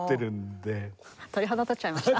鳥肌立っちゃいました。